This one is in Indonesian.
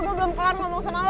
gua belum kelar ngomong sama lu